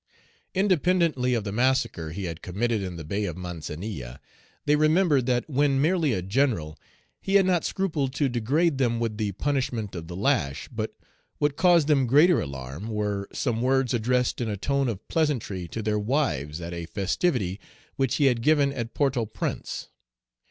Independently of the massacre he had committed in the Bay of Mancenille, they remembered that when merely a general, he had not scrupled to degrade them with the punishment of the lash; but what caused them greater alarm were some Page 258 words addressed in a tone of pleasantry to their wives at a festivity which he had given at Port au Prince.